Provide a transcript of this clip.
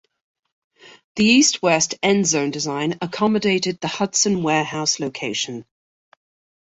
The east-west end zone design accommodated the Hudson warehouse location.